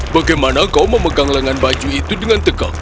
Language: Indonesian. bagaimana kau memegang lengan baju itu dengan tegak